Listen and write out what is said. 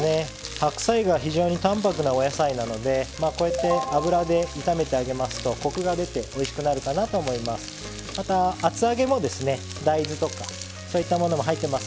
白菜が非常に淡泊なお野菜なのでこうやって油で炒めてあげますとコクが出ておいしくなるかなと思います。